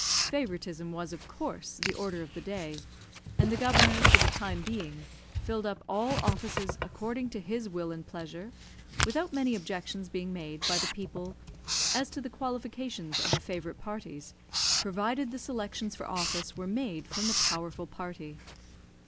Favouritism was, of course, the order of the day; and the governor, for the time being, filled up all offices according to his will and pleasure, without many objections being made by the people as to the qualifications of the favourite parties, provided the selections for office were made from the powerful party.